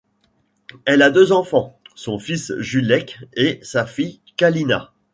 Elle a deux enfants, son fils Julek et sa fille Kalina.